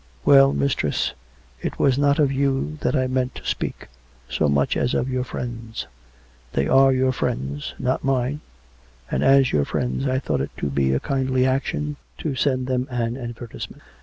" Well, mistress ; it was not of you that I meant to speak — so much as of your friends. They are your friends, not mine. And as your friends, I thought it to be a kindly action to send them an advertisement.